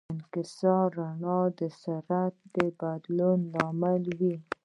انکسار د رڼا د سرعت د بدلون له امله وي.